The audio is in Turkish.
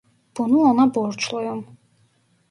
Bunu ona borçluyum.